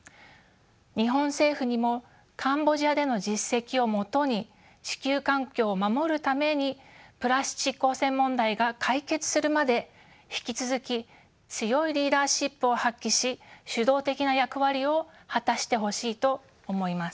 日本政府にもカンボジアでの実績をもとに地球環境を守るためにプラスチック汚染問題が解決するまで引き続き強いリーダーシップを発揮し主導的な役割を果たしてほしいと思います。